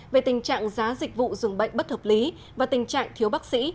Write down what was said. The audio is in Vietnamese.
về tình trạng giá dịch vụ dùng bệnh bất hợp lý và tình trạng thiếu bác sĩ